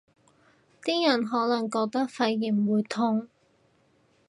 啲人可能覺得肺炎會痛